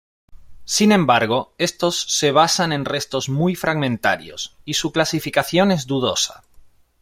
Sin embargo, estos se basan en restos muy fragmentarios, y su clasificación es dudosa.